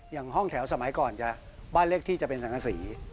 อย่างห้องแถวสมัยก่อนบ้านเล็กที่จะเป็นสังศักดิ์ศรี